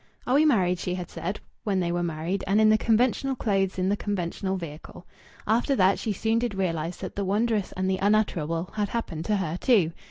"Are we married?" she had said, when they were married and in the conventional clothes in the conventional vehicle. After that she soon did realize that the wondrous and the unutterable had happened to her too.